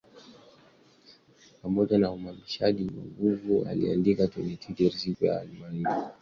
pamoja na uhamasishaji wa nguvu aliandika kwenye Twitter siku ya Alhamis